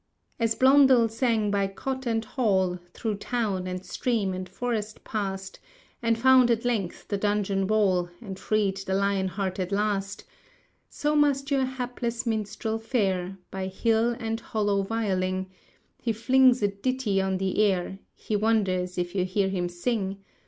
As Blondel sang by cot and hall, Through town and stream and forest passed, And found, at length, the dungeon wall, And freed the Lion heart at last— So must your hapless minstrel fare, By hill and hollow violing; He flings a ditty on the air, He wonders if you hear him sing!